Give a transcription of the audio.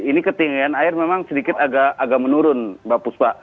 ini ketinggian air memang sedikit agak menurun mbak puspa